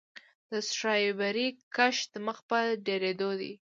د سټرابیري کښت مخ په ډیریدو دی.